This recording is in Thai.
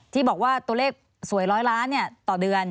ที่บอกว่าตัวเลขสวย๑๐๐ล้านต่อเดือน